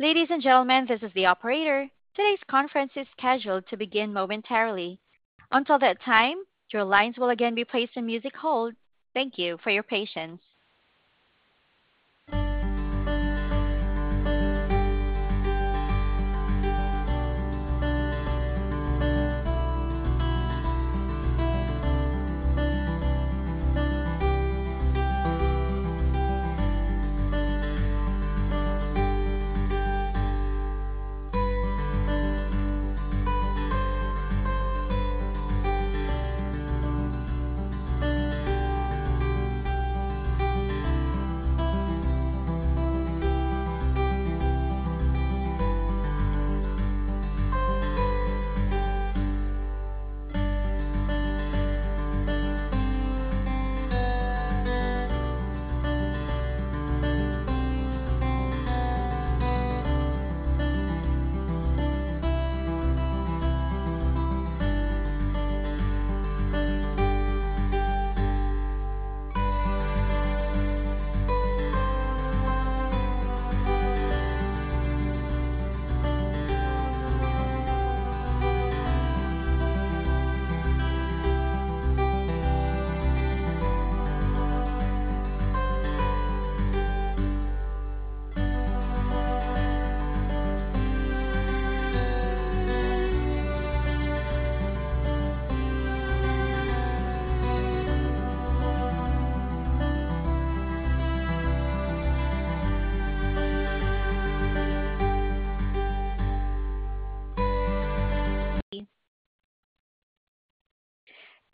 Ladies and gentlemen, this is the operator. Today's conference is scheduled to begin momentarily. Until that time, your lines will again be placed in music hold. Thank you for your patience.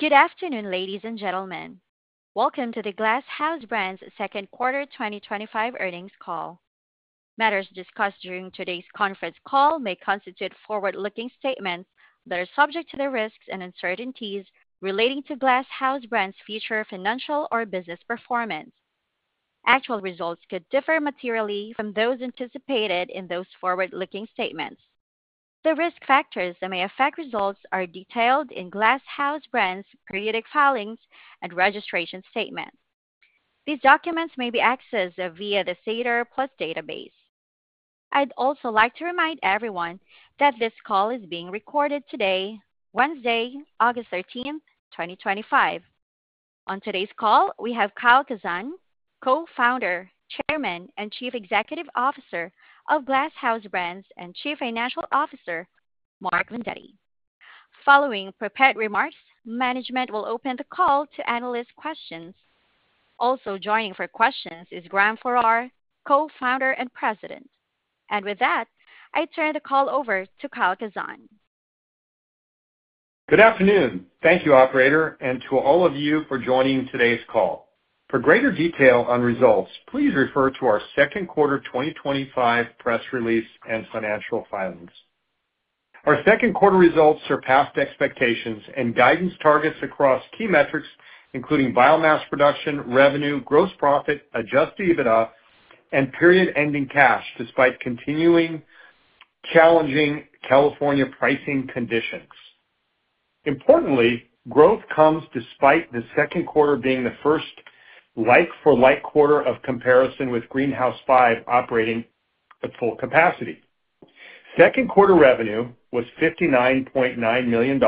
Good afternoon, ladies and gentlemen. Welcome to the Glass House Brands' Second Quarter 2025 Earnings Call. Matters discussed during today's conference call may constitute forward-looking statements that are subject to the risks and uncertainties relating to Glass House Brands' future financial or business performance. Actual results could differ materially from those anticipated in those forward-looking statements. The risk factors that may affect results are detailed in Glass House Brands' periodic filings and registration statements. These documents may be accessed via the CEDR+ database. I'd also like to remind everyone that this call is being recorded today, Wednesday, August 13, 2025. On today's call, we have Kyle Kazan, Co-Founder, Chairman, and Chief Executive Officer of Glass House Brands, and Chief Financial Officer, Mark Vendetti. Following prepared remarks, management will open the call to analysts' questions. Also joining for questions is Graham Farrar, Co-Founder and President. With that, I turn the call over to Kyle Kazan. Good afternoon. Thank you, operator, and to all of you for joining today's call. For greater detail on results, please refer to our second quarter 2025 press release and financial filings. Our second quarter results surpassed expectations and guidance targets across key metrics, including biomass production, revenue, gross profit, adjusted EBITDA, and period-ending cash, despite continuing challenging California pricing conditions. Importantly, growth comes despite the second quarter being the first like-for-like quarter of comparison with Greenhouse 5 operating at full capacity. Second quarter revenue was $59.9 million,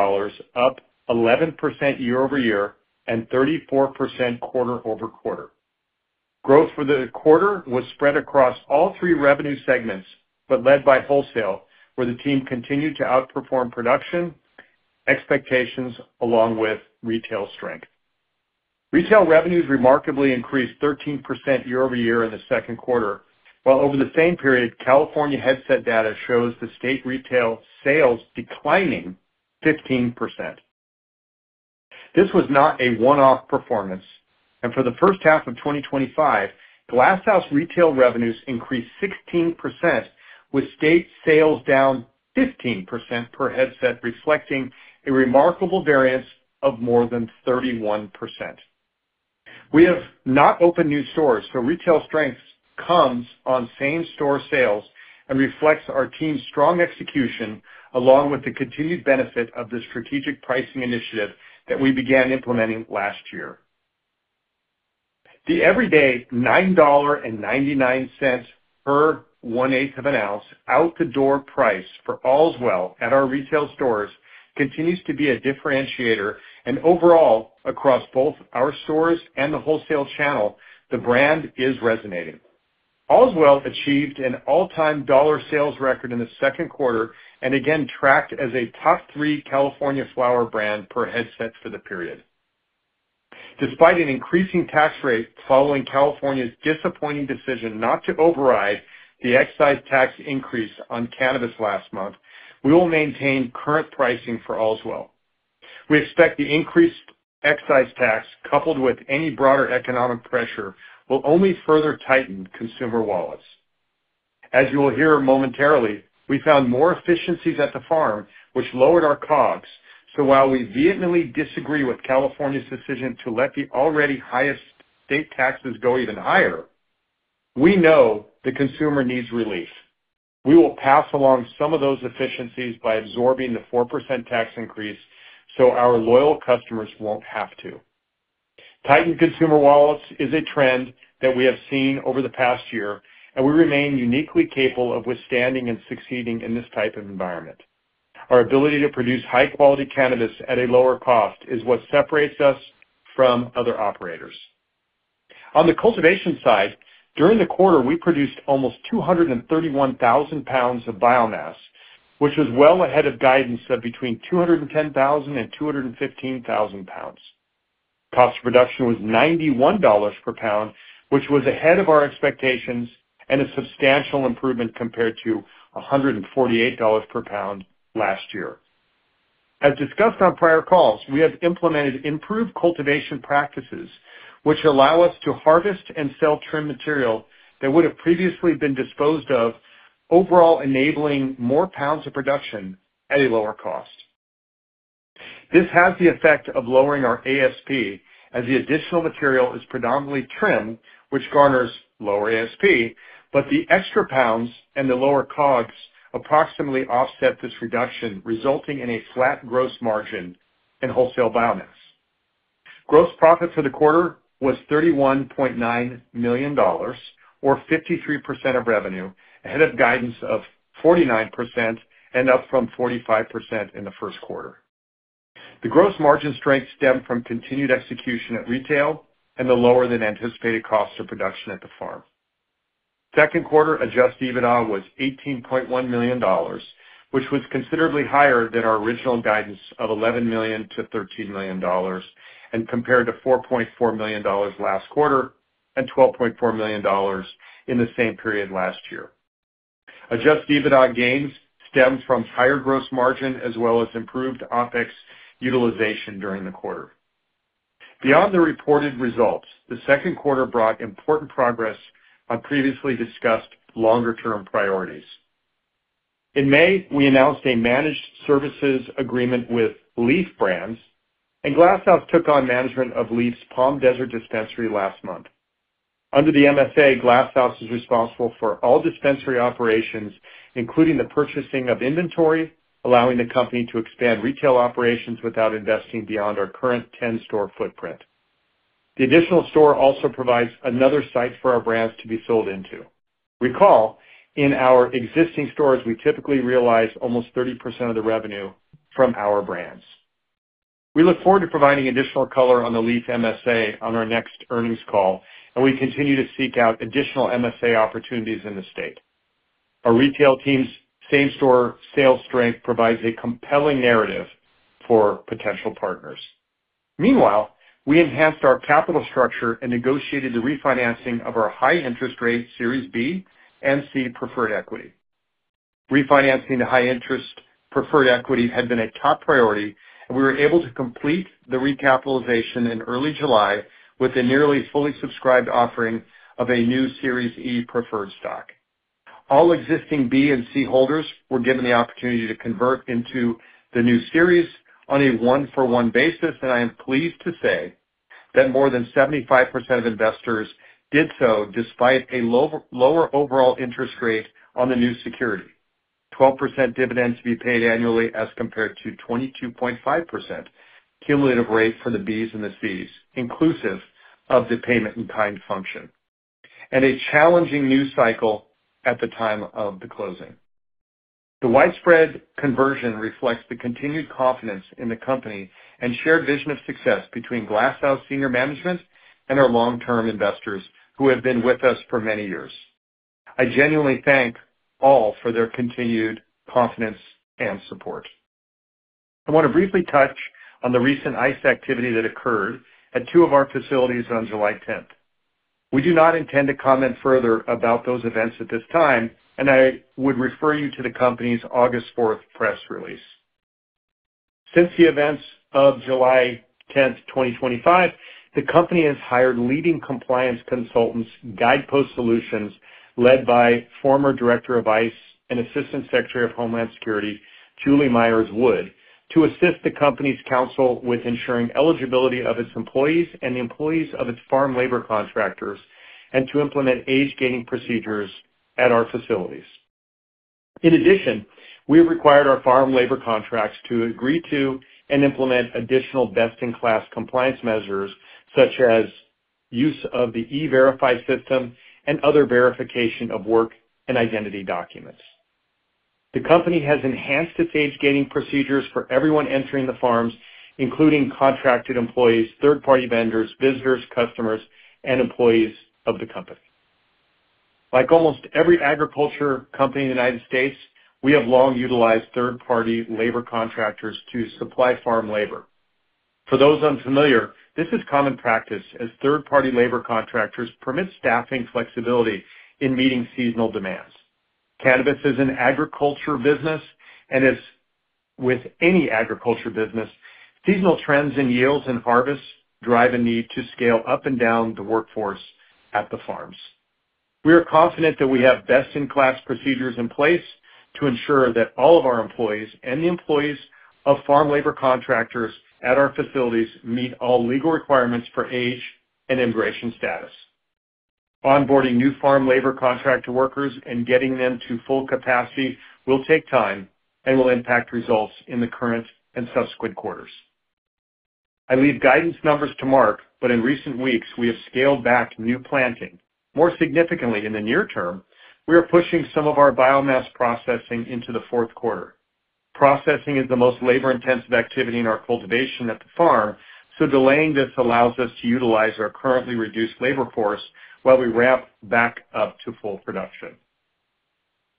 up 11% year-over-year and 34% quarter-over-quarter. Growth for the quarter was spread across all three revenue segments, but led by wholesale, where the team continued to outperform production expectations along with retail strength. Retail revenues remarkably increased 13% year-over-year in the second quarter, while over the same period, California Headset data shows the state retail sales declining 15%. This was not a one-off performance, and for the first half of 2025, Glass House retail revenues increased 16%, with state sales down 15% per Headset, reflecting a remarkable variance of more than 31%. We have not opened new stores, so retail strength comes on same-store sales and reflects our team's strong execution, along with the continued benefit of the strategic pricing initiative that we began implementing last year. The everyday $9.99 per one-eighth of an ounce out-the-door price for Allswell at our retail stores continues to be a differentiator, and overall, across both our stores and the wholesale channel, the brand is resonating. Allswell achieved an all-time dollar sales record in the second quarter and again tracked as a top three California flower brand per Headset for the period. Despite an increasing tax rate following California's disappointing decision not to override the excise tax increase on cannabis last month, we will maintain current pricing for Allswell. We expect the increased excise tax, coupled with any broader economic pressure, will only further tighten consumer wallets. As you will hear momentarily, we found more efficiencies at the farm, which lowered our COGs. While we vehemently disagree with California's decision to let the already highest state taxes go even higher, we know the consumer needs relief. We will pass along some of those efficiencies by absorbing the 4% tax increase so our loyal customers won't have to. Tightened consumer wallets is a trend that we have seen over the past year, and we remain uniquely capable of withstanding and succeeding in this type of environment. Our ability to produce high-quality cannabis at a lower cost is what separates us from other operators. On the cultivation side, during the quarter, we produced almost 231,000 pounds of biomass, which was well ahead of guidance of between 210,000 pounds and 215,000 pounds. Cost of production was $91 per pound, which was ahead of our expectations and a substantial improvement compared to $148 per pound last year. As discussed on prior calls, we have implemented improved cultivation practices, which allow us to harvest and sell trim material that would have previously been disposed of, overall enabling more pounds of production at a lower cost. This has the effect of lowering our ASP, as the additional material is predominantly trim, which garners lower ASP, but the extra pounds and the lower COGs approximately offset this reduction, resulting in a flat gross margin in wholesale biomass. Gross profit for the quarter was $31.9 million, or 53% of revenue, ahead of guidance of 49% and up from 45% in the first quarter. The gross margin strength stemmed from continued execution at retail and the lower than anticipated cost of production at the farm. Second quarter, adjusted EBITDA was $18.1 million, which was considerably higher than our original guidance of $11 million-$13 million, and compared to $4.4 million last quarter and $12.4 million in the same period last year. Adjusted EBITDA gains stemmed from higher gross margin as well as improved OPEX utilization during the quarter. Beyond the reported results, the second quarter brought important progress on previously discussed longer-term priorities. In May, we announced a managed services agreement with Leaf Brands, and Glass House Brands took on management of Leaf's Palm Desert dispensary last month. Under the MFA, Glass House Brands is responsible for all dispensary operations, including the purchasing of inventory, allowing the company to expand retail operations without investing beyond our current 10-store footprint. The additional store also provides another site for our brands to be sold into. Recall, in our existing stores, we typically realize almost 30% of the revenue from our brands. We look forward to providing additional color on the Leaf MFA on our next earnings call, and we continue to seek out additional MFA opportunities in the state. Our retail team's same-store sales strength provides a compelling narrative for potential partners. Meanwhile, we enhanced our capital structure and negotiated the refinancing of our high-interest rate Series B and C preferred equity. Refinancing the high-interest preferred equity had been a top priority, and we were able to complete the recapitalization in early July with a nearly fully subscribed offering of a new Series E preferred stock. All existing B and C holders were given the opportunity to convert into the new series on a one-for-one basis, and I am pleased to say that more than 75% of investors did so despite a lower overall interest rate on the new security. 12% dividends to be paid annually as compared to 22.5% cumulative rate for the Bs and the Cs, inclusive of the payment in kind function. In a challenging news cycle at the time of the closing, the widespread conversion reflects the continued confidence in the company and shared vision of success between Glass House senior management and our long-term investors who have been with us for many years. I genuinely thank all for their continued confidence and support. I want to briefly touch on the recent ICE activity that occurred at two of our facilities on July 10th. We do not intend to comment further about those events at this time, and I would refer you to the company's August 4th press release. Since the events of July 10th, 2023, the company has hired leading compliance consultants, Guidepost Solutions, led by former Director of ICE and Assistant Secretary of Homeland Security, Julie Myers-Wood, to assist the company's counsel with ensuring eligibility of its employees and the employees of its farm labor contractors, and to implement age-gating procedures at our facilities. In addition, we have required our farm labor contractors to agree to and implement additional best-in-class compliance measures, such as the use of the E-Verify system and other verification of work and identity documents. The company has enhanced its age-gating procedures for everyone entering the farms, including contracted employees, third-party vendors, visitors, customers, and employees of the company. Like almost every agriculture company in the United States, we have long utilized third-party labor contractors to supply farm labor. For those unfamiliar, this is common practice as third-party labor contractors permit staffing flexibility in meeting seasonal demands. Cannabis is an agriculture business, and as with any agriculture business, seasonal trends in yields and harvests drive a need to scale up and down the workforce at the farms. We are confident that we have best-in-class procedures in place to ensure that all of our employees and the employees of farm labor contractors at our facilities meet all legal requirements for age and immigration status. Onboarding new farm labor contractor workers and getting them to full capacity will take time and will impact results in the current and subsequent quarters. I leave guidance numbers to Mark, but in recent weeks, we have scaled back new planting. More significantly, in the near term, we are pushing some of our biomass processing into the fourth quarter. Processing is the most labor-intensive activity in our cultivation at the farm, so delaying this allows us to utilize our currently reduced labor force while we ramp back up to full production.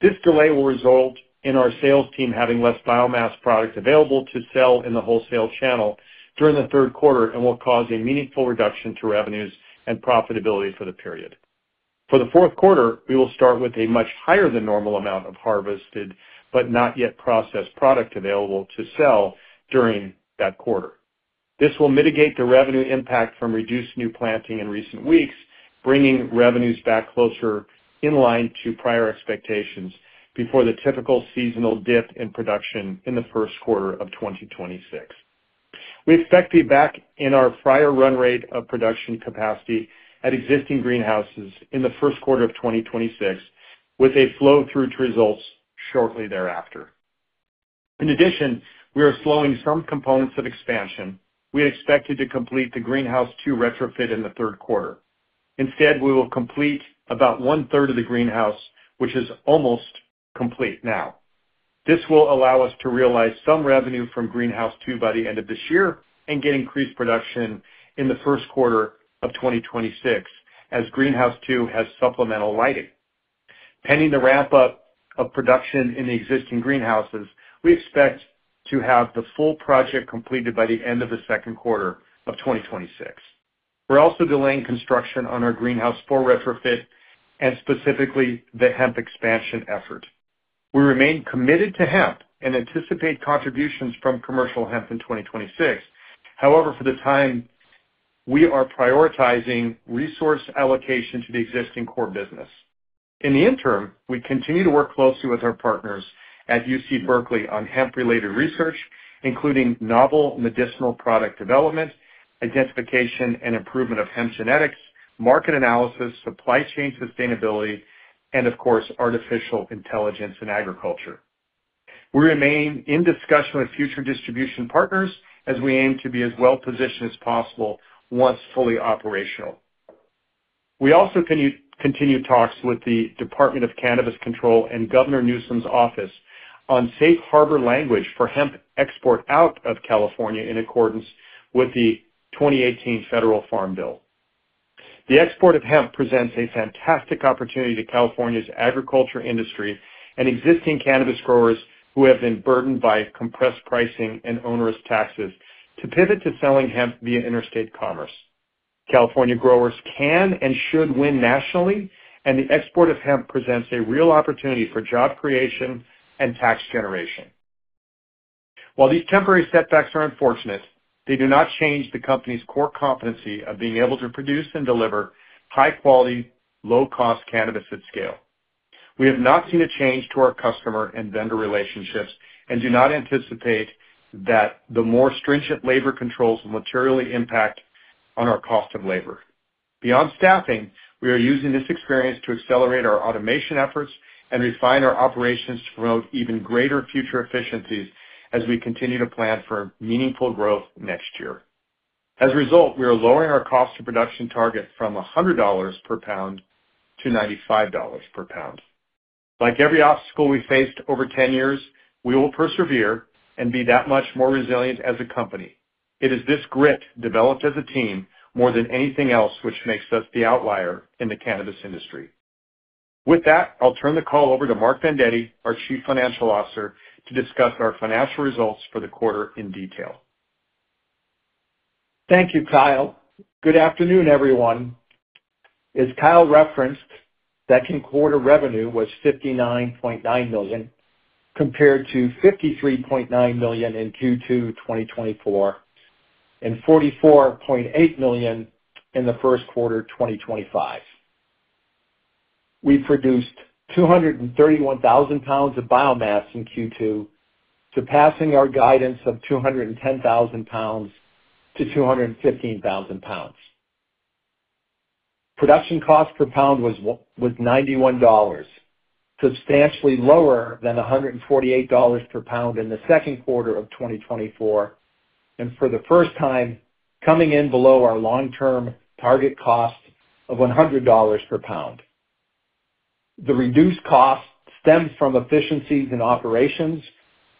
This delay will result in our sales team having less biomass product available to sell in the wholesale channel during the third quarter and will cause a meaningful reduction to revenues and profitability for the period. For the fourth quarter, we will start with a much higher than normal amount of harvested but not yet processed product available to sell during that quarter. This will mitigate the revenue impact from reduced new planting in recent weeks, bringing revenues back closer in line to prior expectations before the typical seasonal dip in production in the first quarter of 2026. We expect to be back in our prior run rate of production capacity at existing greenhouses in the first quarter of 2026, with a flow-through to results shortly thereafter. In addition, we are slowing some components of expansion. We expected to complete the Greenhouse 2 retrofit in the third quarter. Instead, we will complete about one-third of the greenhouse, which is almost complete now. This will allow us to realize some revenue from Greenhouse 2 by the end of this year and get increased production in the first quarter of 2026, as Greenhouse 2 has supplemental lighting. Pending the ramp-up of production in the existing greenhouses, we expect to have the full project completed by the end of the second quarter of 2026. We're also delaying construction on our Greenhouse 4 retrofit and specifically the hemp expansion effort. We remain committed to hemp and anticipate contributions from commercial hemp in 2026. However, for the time, we are prioritizing resource allocation to the existing core business. In the interim, we continue to work closely with our partners at UC Berkeley on hemp-related research, including novel medicinal product development, identification and improvement of hemp genetics, market analysis, supply chain sustainability, and of course, artificial intelligence in agriculture. We remain in discussion with future distribution partners as we aim to be as well-positioned as possible once fully operational. We also continue talks with the Department of Cannabis Control and Governor Newsom's office on safe harbor language for hemp export out of California in accordance with the 2018 federal farm bill. The export of hemp presents a fantastic opportunity to California's agriculture industry and existing cannabis growers who have been burdened by compressed pricing and onerous taxes to pivot to selling hemp via interstate commerce. California growers can and should win nationally, and the export of hemp presents a real opportunity for job creation and tax generation. While these temporary setbacks are unfortunate, they do not change the company's core competency of being able to produce and deliver high-quality, low-cost cannabis at scale. We have not seen a change to our customer and vendor relationships and do not anticipate that the more stringent labor controls will materially impact our cost of labor. Beyond staffing, we are using this experience to accelerate our automation efforts and refine our operations to promote even greater future efficiencies as we continue to plan for meaningful growth next year. As a result, we are lowering our cost of production target from $100 per pound to $95 per pound. Like every obstacle we faced over 10 years, we will persevere and be that much more resilient as a company. It is this grit developed as a team more than anything else which makes us the outlier in the cannabis industry. With that, I'll turn the call over to Mark Vendetti, our Chief Financial Officer, to discuss our financial results for the quarter in detail. Thank you, Kyle. Good afternoon, everyone. As Kyle referenced, second quarter revenue was $59.9 million compared to $53.9 million in Q2 2024 and $44.8 million in the first quarter 2025. We produced 231,000 pounds of biomass in Q2, surpassing our guidance of 210,000 pounds-215,000 pounds. Production cost per pound was $91, substantially lower than $148 per pound in the second quarter of 2024, and for the first time, coming in below our long-term target cost of $100 per pound. The reduced cost stems from efficiencies in operations,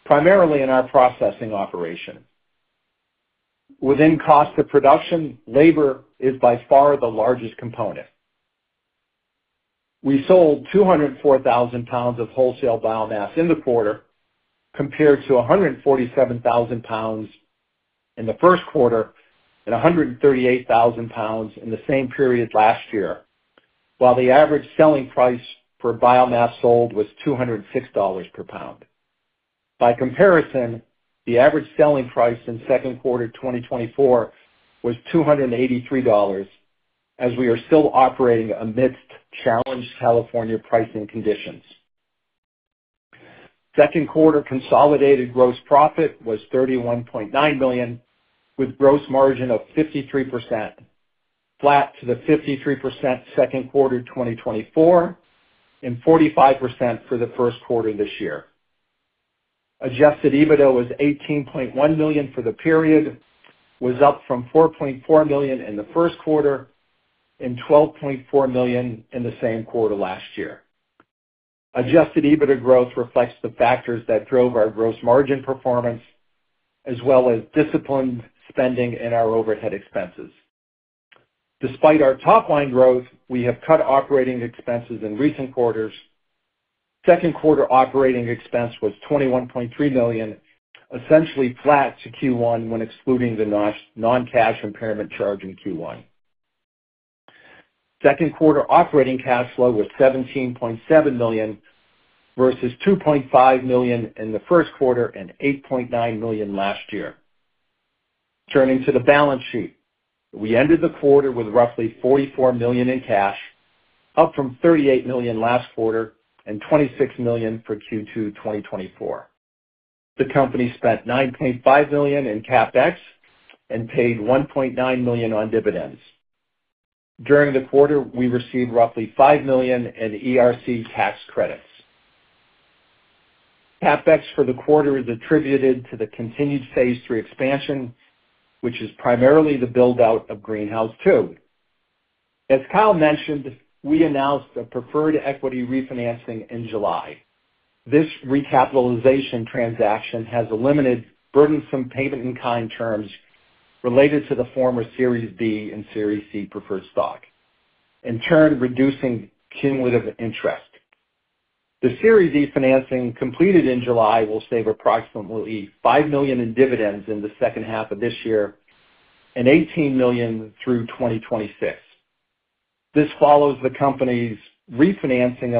primarily in our processing operation. Within cost of production, labor is by far the largest component. We sold 204,000 pounds of wholesale biomass in the quarter, compared to 147,000 pounds in the first quarter and 138,000 pounds in the same period last year, while the average selling price for biomass sold was $206 per pound. By comparison, the average selling price in second quarter 2024 was $283, as we are still operating amidst challenged California pricing conditions. Second quarter consolidated gross profit was $31.9 million, with a gross margin of 53%, flat to the 53% second quarter 2024 and 45% for the first quarter this year. Adjusted EBITDA was $18.1 million for the period, was up from $4.4 million in the first quarter and $12.4 million in the same quarter last year. Adjusted EBITDA growth reflects the factors that drove our gross margin performance, as well as disciplined spending in our overhead expenses. Despite our top-line growth, we have cut operating expenses in recent quarters. Second quarter operating expense was $21.3 million, essentially flat to Q1 when excluding the non-cash impairment charge in Q1. Second quarter operating cash flow was $17.7 million versus $2.5 million in the first quarter and $8.9 million last year. Turning to the balance sheet, we ended the quarter with roughly $44 million in cash, up from $38 million last quarter and $26 million for Q2 2024. The company spent $9.5 million in CapEx and paid $1.9 million on dividends. During the quarter, we received roughly $5 million in ERC tax credits. CapEx for the quarter is attributed to the continued phase three expansion, which is primarily the build-out of Greenhouse 2. As Kyle mentioned, we announced a preferred equity refinancing in July. This recapitalization transaction has eliminated burdensome payment in kind terms related to the former Series B and Series C preferred stock, in turn reducing cumulative interest. The Series E financing completed in July will save approximately $5 million in dividends in the second half of this year and $18 million through 2026. This follows the company's refinancing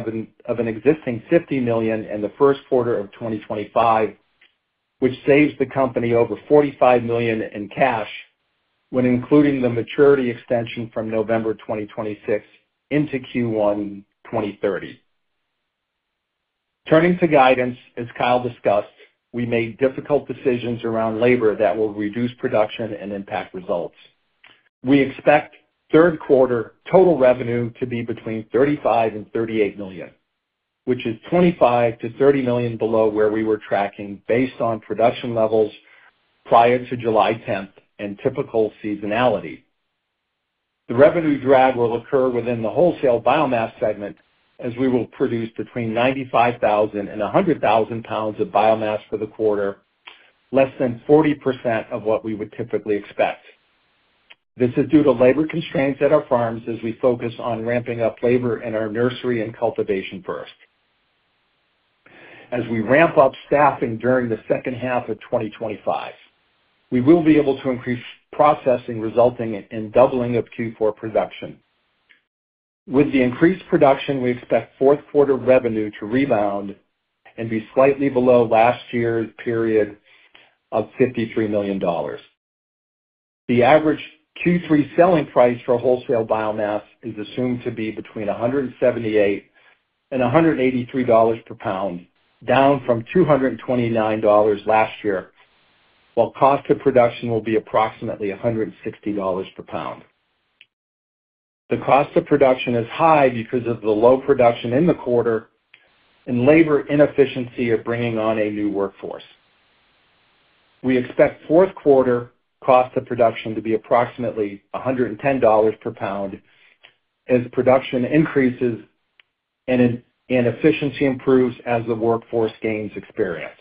of an existing $50 million in the first quarter of 2025, which saves the company over $45 million in cash when including the maturity extension from November 2026 into Q1 2030. Turning to guidance, as Kyle discussed, we made difficult decisions around labor that will reduce production and impact results. We expect third quarter total revenue to be between $35 million and $38 million, which is $25 million to $30 million below where we were tracking based on production levels prior to July 10th and typical seasonality. The revenue drag will occur within the wholesale biomass segment, as we will produce between 95,000 pounds and 100,000 pounds of biomass for the quarter, less than 40% of what we would typically expect. This is due to labor constraints at our farms as we focus on ramping up labor in our nursery and cultivation first. As we ramp up staffing during the second half of 2025, we will be able to increase processing, resulting in doubling of Q4 production. With the increased production, we expect fourth quarter revenue to rebound and be slightly below last year's period of $53 million. The average Q3 selling price for wholesale biomass is assumed to be between $178 and $183 per pound, down from $229 last year, while cost of production will be approximately $160 per pound. The cost of production is high because of the low production in the quarter and labor inefficiency of bringing on a new workforce. We expect fourth quarter cost of production to be approximately $110 per pound as production increases and efficiency improves as the workforce gains experience.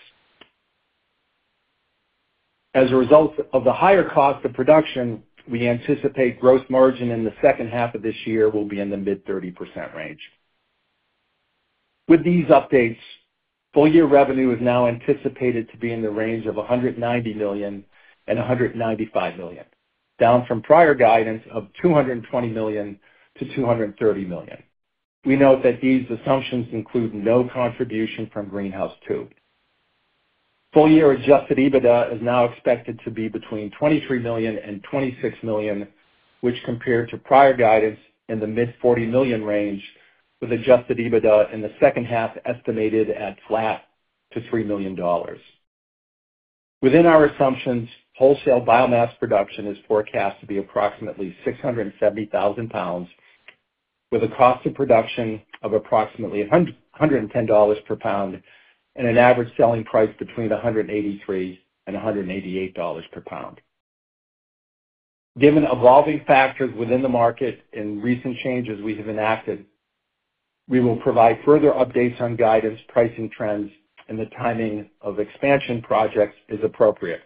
As a result of the higher cost of production, we anticipate gross margin in the second half of this year will be in the mid-30% range. With these updates, full-year revenue is now anticipated to be in the range of $190 million and $195 million, down from prior guidance of $220 million-$230 million. We note that these assumptions include no contribution from Greenhouse 2. Full-year adjusted EBITDA is now expected to be between $23 million and $26 million, which compared to prior guidance in the mid-$40 million range with adjusted EBITDA in the second half estimated at flat to $3 million. Within our assumptions, wholesale biomass production is forecast to be approximately 670,000 pounds, with a cost of production of approximately $110 per pound and an average selling price between $183 and $188 per pound. Given evolving factors within the market and recent changes we have enacted, we will provide further updates on guidance, pricing trends, and the timing of expansion projects as appropriate.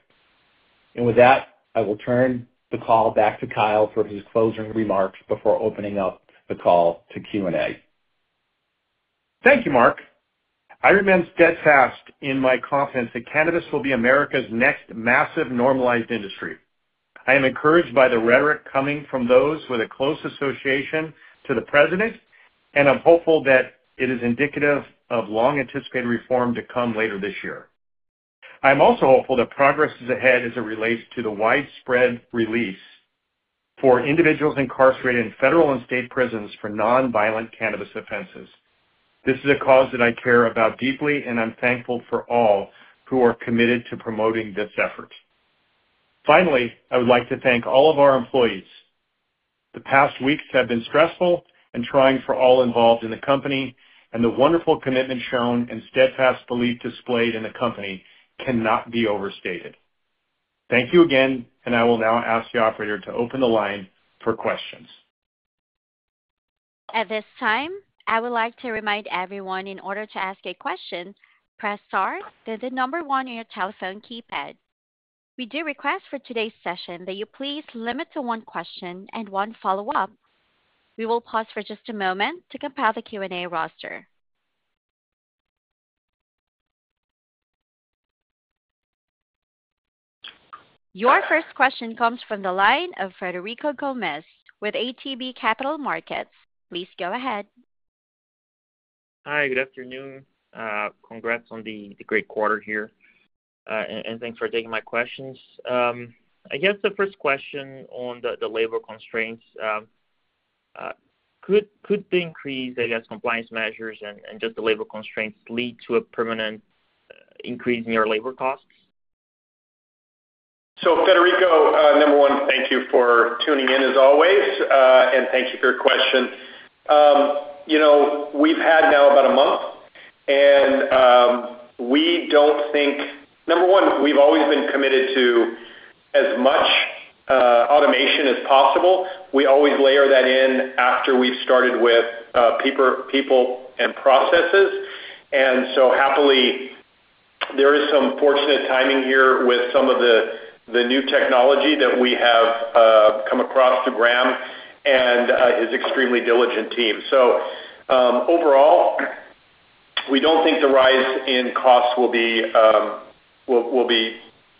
I will turn the call back to Kyle for his closing remarks before opening up the call to Q&A. Thank you, Mark. I remain steadfast in my confidence that cannabis will be America's next massive normalized industry. I am encouraged by the rhetoric coming from those with a close association to the President, and I'm hopeful that it is indicative of long-anticipated reform to come later this year. I am also hopeful that progress is ahead as it relates to the widespread release for individuals incarcerated in federal and state prisons for nonviolent cannabis offenses. This is a cause that I care about deeply, and I'm thankful for all who are committed to promoting this effort. Finally, I would like to thank all of our employees. The past weeks have been stressful and trying for all involved in the company, and the wonderful commitment shown and steadfast belief displayed in the company cannot be overstated. Thank you again, and I will now ask the operator to open the line for questions. At this time, I would like to remind everyone in order to ask a question, press star then the number one on your telephone keypad. We do request for today's session that you please limit to one question and one follow-up. We will pause for just a moment to compile the Q&A roster. Your first question comes from the line of Frederico Gomes with ATB Capital. Please go ahead. Hi, good afternoon. Congrats on the great quarter here, and thanks for taking my questions. I guess the first question on the labor constraints. Could the increase, I guess, compliance measures and just the labor constraints lead to a permanent increase in your labor costs? Federico, number one, thank you for tuning in as always, and thank you for your question. We've had now about a month, and we don't think, number one, we've always been committed to as much automation as possible. We always layer that in after we've started with people and processes. Happily, there is some fortunate timing here with some of the new technology that we have come across to Graham and his extremely diligent team. Overall, we don't think the rise in costs will be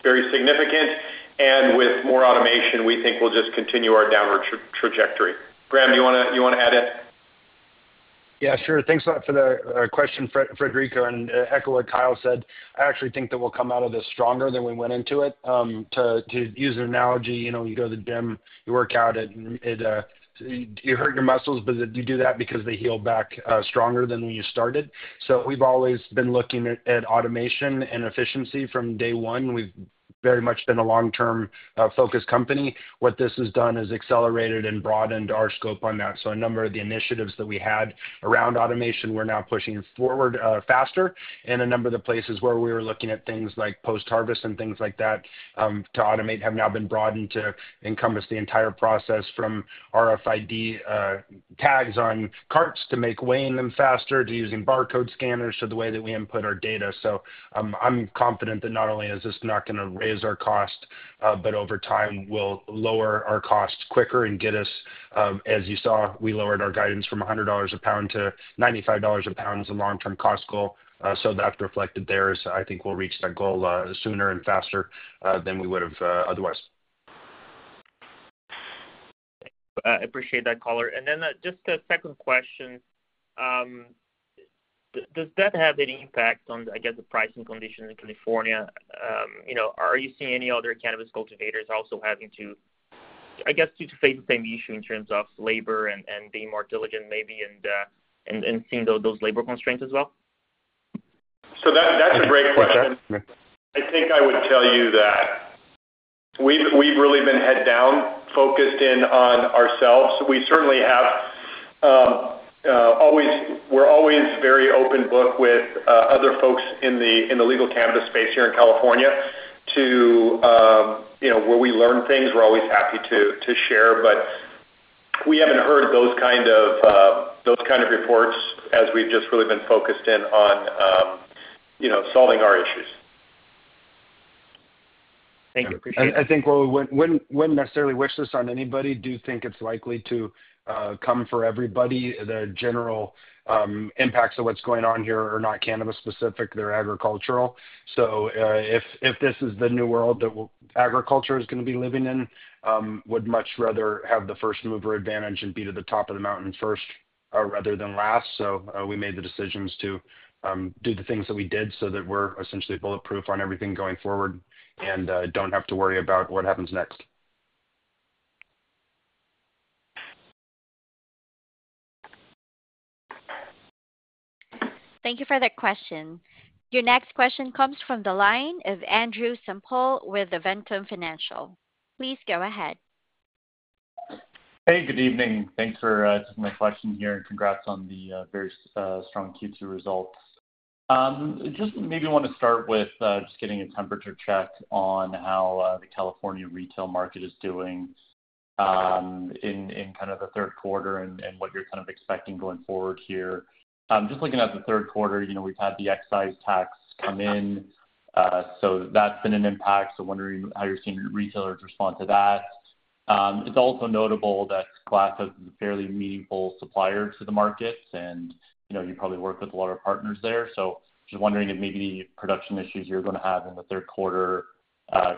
very significant, and with more automation, we think we'll just continue our downward trajectory. Graham, do you want to add? Yeah, sure. Thanks a lot for the question, Frederico. I actually think that we'll come out of this stronger than we went into it. To use an analogy, you go to the gym, you work out, and you hurt your muscles, but you do that because they heal back stronger than when you started. We've always been looking at automation and efficiency from day one, and we've very much been a long-term focused company. What this has done is accelerated and broadened our scope on that. A number of the initiatives that we had around automation, we're now pushing forward faster. A number of the places where we were looking at things like post-harvest and things like that to automate have now been broadened to encompass the entire process from RFID tags on carts to make weighing them faster, to using barcode scanners, to the way that we input our data. I'm confident that not only is this not going to raise our cost, but over time, we'll lower our costs quicker and get us, as you saw, we lowered our guidance from $100 a pound to $95 a pound as a long-term cost goal. That's reflected there. I think we'll reach that goal sooner and faster than we would have otherwise. I appreciate that, caller. Just a second question. Does that have an impact on, I guess, the pricing condition in California? Are you seeing any other cannabis cultivators also having to face the same issue in terms of labor and being more diligent, maybe, and seeing those labor constraints as well? That's a great question. I think I would tell you that we've really been head down, focused in on ourselves. We certainly have always, we're always very open book with other folks in the legal cannabis space here in California to, you know, where we learn things, we're always happy to share, but we haven't heard those kind of reports as we've just really been focused in on, you know, solving our issues. Thank you. I think, when necessarily wish this on anybody, do think it's likely to come for everybody. The general impacts of what's going on here are not cannabis specific. They're agricultural. If this is the new world that agriculture is going to be living in, would much rather have the first mover advantage and be to the top of the mountain first rather than last. We made the decisions to do the things that we did so that we're essentially bulletproof on everything going forward and don't have to worry about what happens next. Thank you for that question. Your next question comes from the line of Andrew Semple with Ventum Financial. Please go ahead. Hey, good evening. Thanks for taking my question here and congrats on the very strong Q2 results. Just maybe want to start with just getting a temperature check on how the California retail market is doing in kind of the third quarter and what you're kind of expecting going forward here. Just looking at the third quarter, we've had the excise tax come in. That's been an impact. Wondering how you're seeing retailers respond to that. It's also notable that Glass House Brands is a fairly meaningful supplier to the market, and you probably work with a lot of partners there. Just wondering if maybe the production issues you're going to have in the third quarter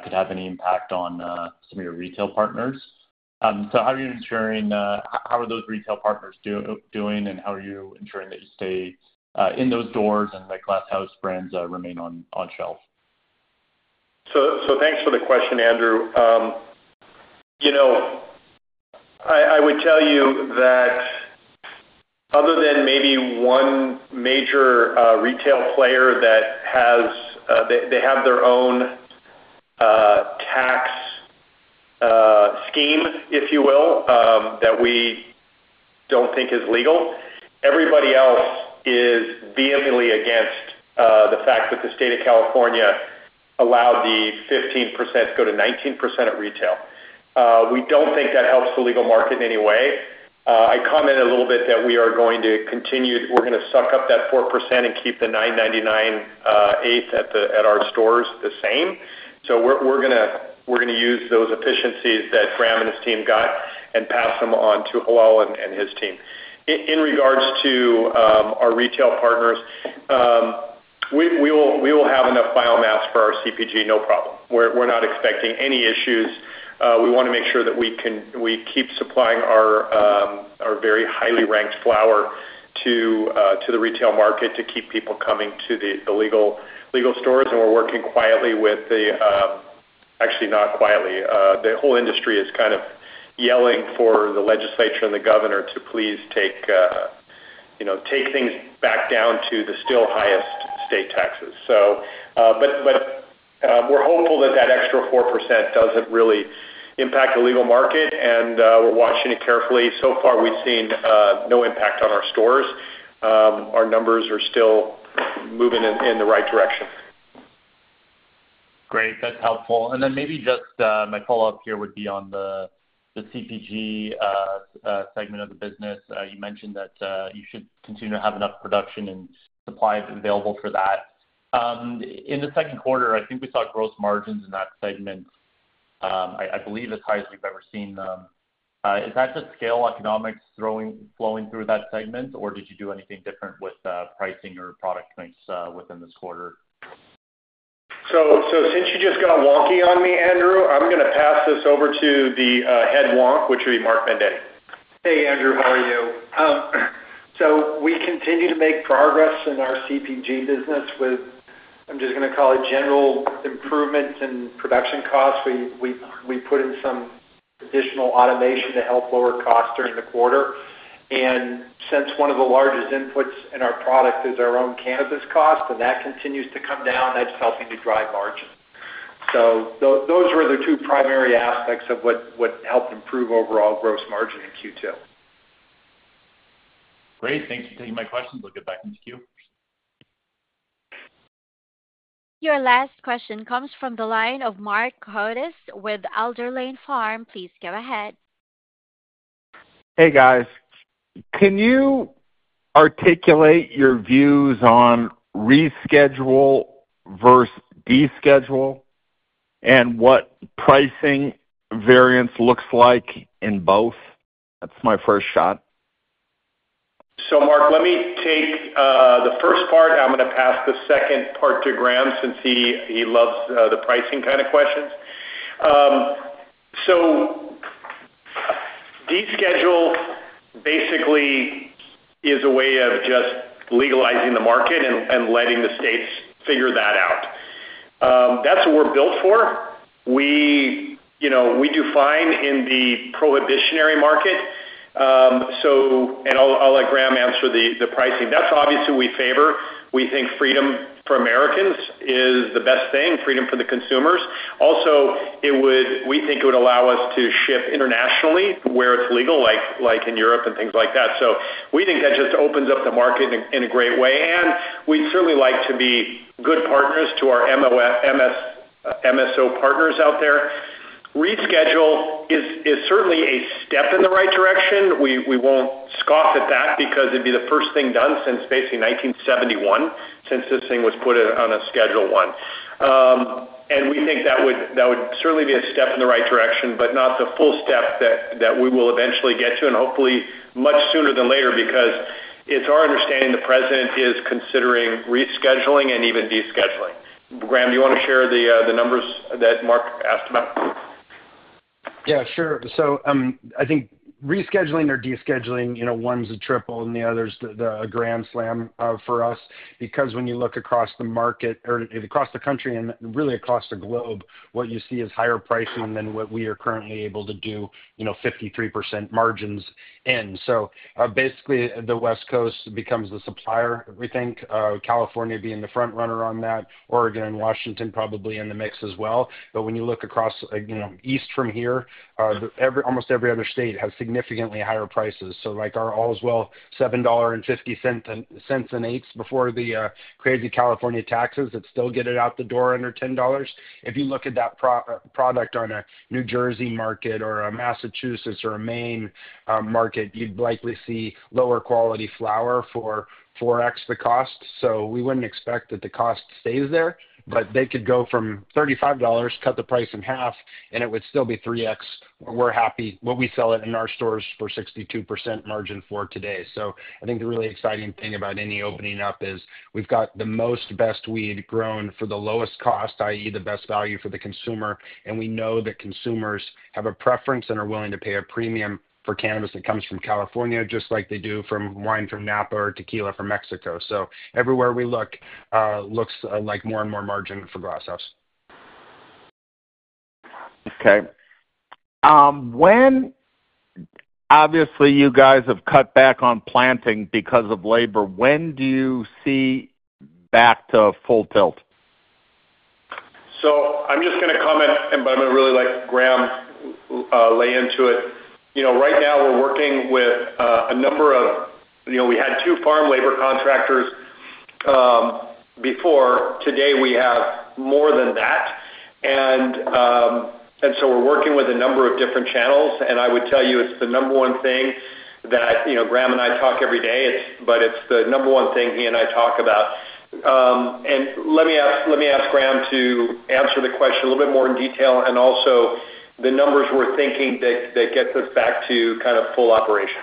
could have any impact on some of your retail partners. How are you ensuring, how are those retail partners doing, and how are you ensuring that you stay in those doors and that Glass House Brands remain on shelf? Thanks for the question, Andrew. I would tell you that other than maybe one major retail player that has their own tax scheme, if you will, that we don't think is legal, everybody else is vehemently against the fact that the state of California allowed the 15% to go to 19% at retail. We don't think that helps the legal market in any way. I commented a little bit that we are going to continue, we're going to suck up that 4% and keep the 9.98% at our stores the same. We're going to use those efficiencies that Graham and his team got and pass them on to Hilal and his team. In regards to our retail partners, we will have enough biomass for our CPG, no problem. We're not expecting any issues. We want to make sure that we keep supplying our very highly ranked flower to the retail market to keep people coming to the legal stores. We're working quietly with the, actually not quietly, the whole industry is kind of yelling for the legislature and the governor to please take things back down to the still highest state taxes. We're hopeful that that extra 4% doesn't really impact the legal market, and we're watching it carefully. So far, we've seen no impact on our stores. Our numbers are still moving in the right direction. Great. That's helpful. Maybe just my follow-up here would be on the CPG segment of the business. You mentioned that you should continue to have enough production and supply available for that. In the second quarter, I think we saw gross margins in that segment. I believe the highest we've ever seen them. Is that just scale economics flowing through that segment, or did you do anything different with pricing or product strengths within this quarter? Since you just got wonky on me, Andrew, I'm going to pass this over to the Head Wonk, which would be Mark Vendetti. Hey, Andrew. How are you? We continue to make progress in our CPG business with, I'm just going to call it, general improvements in production costs. We put in some additional automation to help lower costs during the quarter. Since one of the largest inputs in our product is our own cannabis cost, and that continues to come down, that's helping to drive margin. Those were the two primary aspects of what helped improve overall gross margin in Q2. Great. Thank you for taking my questions. We'll get back in the queue. Your last question comes from the line of Mark Hardis with Alder Lane. Please go ahead. Hey, guys. Can you articulate your views on reschedule versus de-schedule and what pricing variance looks like in both? That's my first shot. Mark, let me take the first part. I'm going to pass the second part to Graham since he loves the pricing kind of questions. De-schedule basically is a way of just legalizing the market and letting the states figure that out. That's what we're built for. We do fine in the prohibitionary market. I'll let Graham answer the pricing. That's obviously what we favor. We think freedom for Americans is the best thing, freedom for the consumers. We also think it would allow us to ship internationally where it's legal, like in Europe and things like that. We think that just opens up the market in a great way. We'd certainly like to be good partners to our MSO partners out there. Reschedule is certainly a step in the right direction. We won't scoff at that because it'd be the first thing done since basically 1971, since this thing was put on a Schedule I. We think that would certainly be a step in the right direction, but not the full step that we will eventually get to, and hopefully much sooner than later because it's our understanding the President is considering rescheduling and even de-scheduling. Graham, do you want to share the numbers that Mark asked about? Yeah, sure. I think rescheduling or de-scheduling, you know, one's a triple and the other's a grand slam for us because when you look across the market or across the country and really across the globe, what you see is higher pricing than what we are currently able to do, you know, 53% margins in. Basically, the West Coast becomes the supplier, we think, California being the front runner on that, Oregon and Washington probably in the mix as well. When you look across, you know, east from here, almost every other state has significantly higher prices. Like our Allswell, $7.50 an eighth before the crazy California taxes, it's still getting out the door under $10. If you look at that product on a New Jersey market or a Massachusetts or a Maine market, you'd likely see lower quality flower for 4X the cost. We wouldn't expect that the cost stays there, but they could go from $35, cut the price in half, and it would still be 3X. We're happy. We'll be selling in our stores for 62% margin for today. I think the really exciting thing about any opening up is we've got the most best weed grown for the lowest cost, i.e., the best value for the consumer. We know that consumers have a preference and are willing to pay a premium for cannabis that comes from California, just like they do from wine from Napa or tequila from Mexico. Everywhere we look, it looks like more and more margin for Glass House. Okay. Obviously, you guys have cut back on planting because of labor. When do you see back to full tilt? I'm just going to comment, but I'm going to really let Graham lay into it. Right now we're working with a number of, you know, we had two farm labor contractors before. Today we have more than that. We're working with a number of different channels. I would tell you it's the number one thing that I, you know, Graham and I talk every day, but it's the number one thing he and I talk about. Let me ask Graham to answer the question a little bit more in detail and also the numbers we're thinking that get us back to kind of full operation.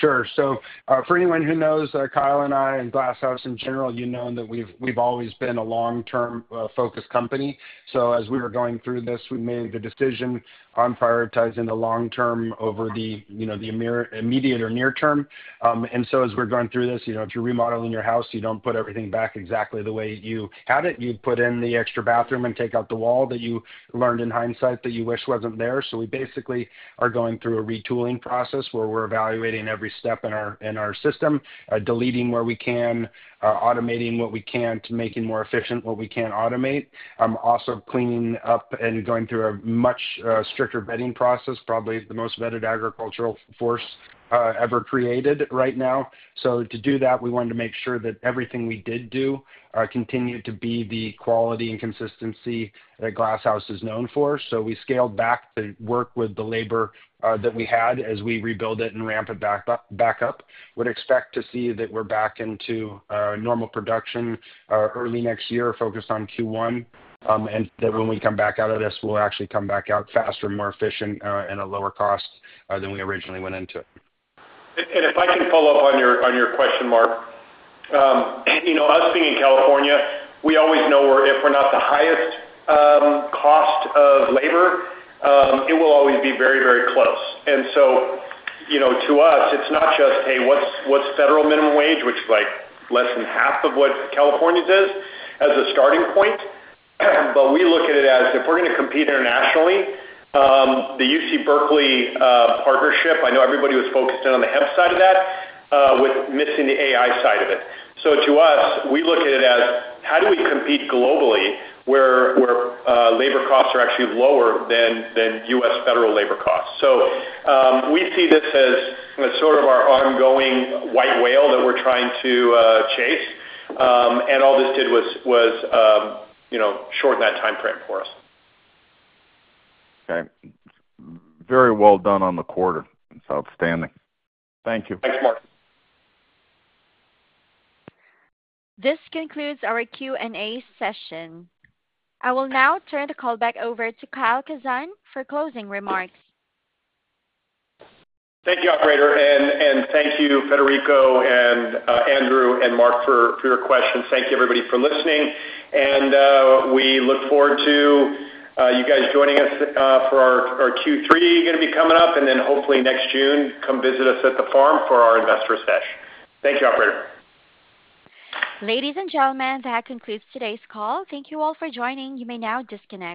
Sure. For anyone who knows Kyle and I and Glass House Brands in general, you know that we've always been a long-term focused company. As we were going through this, we made the decision on prioritizing the long-term over the immediate or near term. As we're going through this, if you're remodeling your house, you don't put everything back exactly the way you had it. You put in the extra bathroom and take out the wall that you learned in hindsight that you wish wasn't there. We basically are going through a retooling process where we're evaluating every step in our system, deleting where we can, automating what we can't, making more efficient what we can't automate. I'm also cleaning up and going through a much stricter vetting process, probably the most vetted agricultural force ever created right now. To do that, we wanted to make sure that everything we did do continued to be the quality and consistency that Glass House Brands is known for. We scaled back to work with the labor that we had as we rebuild it and ramp it back up. We'd expect to see that we're back into normal production early next year, focused on Q1, and that when we come back out of this, we'll actually come back out faster, more efficient, and at a lower cost than we originally went into it. If I can follow up on your question, Mark, you know, us being in California, we always know if we're not the highest cost of labor, it will always be very, very close. To us, it's not just, hey, what's federal minimum wage, which is like less than half of what California does as a starting point, but we look at it as if we're going to compete internationally. The UC Berkeley partnership, I know everybody was focused in on the hemp side of that with missing the AI side of it. To us, we look at it as how do we compete globally where labor costs are actually lower than U.S. federal labor costs. We see this as sort of our ongoing white whale that we're trying to chase. All this did was shorten that timeframe for us. Okay. Very well done on the quarter. It's outstanding. Thank you. This concludes our Q&A session. I will now turn the call back over to Kyle Kazan for closing remarks. Thank you, operator. Thank you, Frederico and Andrew and Mark, for your questions. Thank you, everybody, for listening. We look forward to you guys joining us for our Q3 going to be coming up, and hopefully next June, come visit us at the farm for our investor session. Thank you, operator. Ladies and gentlemen, that concludes today's call. Thank you all for joining. You may now disconnect.